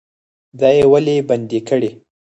دا یې ولې بندي کړي؟